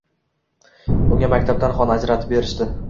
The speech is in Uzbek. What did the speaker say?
Unga maktabdan xona ajratib berishdi